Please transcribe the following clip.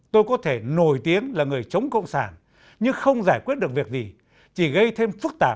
tôi có thể nổi tiếng là người chống cộng sản nhưng không giải quyết được việc gì chỉ gây thêm phức tạp